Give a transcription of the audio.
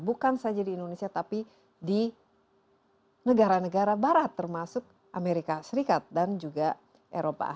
bukan saja di indonesia tapi di negara negara barat termasuk amerika serikat dan juga eropa